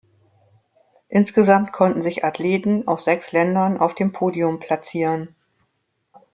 Insgesamt konnten sich Athleten aus sechs Ländern auf dem Podium platzieren.